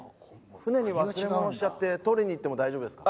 船に忘れ物をしちゃって取りに行っても大丈夫ですか？